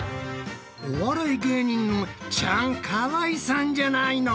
お笑い芸人のチャンカワイさんじゃないの？